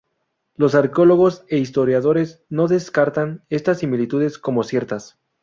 Los arqueólogos e historiadores no descartan estas similitudes como ciertas.